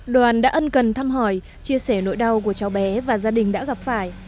đoàn đã ân cần thăm hỏi chia sẻ nỗi đau của cháu bé và gia đình đã gặp phải